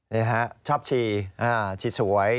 นี่ฮะชอบชีชีสวย